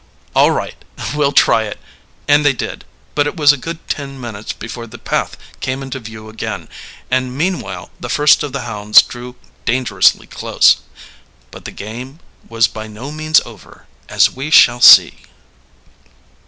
"All right, we'll try it," and they did, but it was a good ten minutes before the path came into view again, and meanwhile the first of the hounds drew dangerously close. But the game was by no means over, as we shall see.